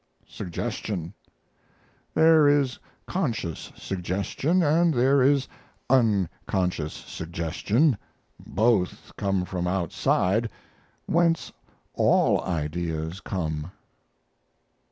SUGGESTION There is conscious suggestion & there is unconscious suggestion both come from outside whence all ideas come.